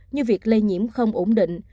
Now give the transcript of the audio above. như việc lây nhiễm không ổn định